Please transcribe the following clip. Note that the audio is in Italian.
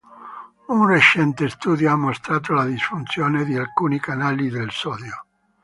Un recente studio ha mostrato la disfunzione di alcuni canali del sodio.